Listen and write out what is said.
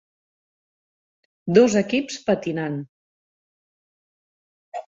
Dos equips patinant.